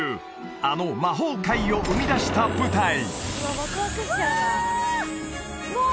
あの魔法界を生み出した舞台わあ！